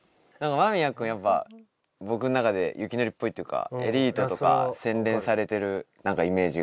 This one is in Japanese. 間宮君、やっぱ、僕の中で、雪祈っぽいっていうか、エリートとか洗練されてるイメージが。